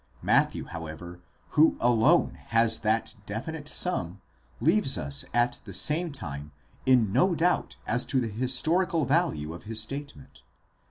Matthew, however, who alone has that definite sum, leaves us at the same time in no doubt as to the historical value of his statement.